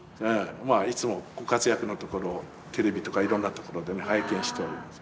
いつもご活躍のところをテレビとかいろんなところでね拝見しております。